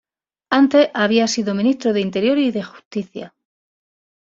Antes había sido ministro de interior y de justicia.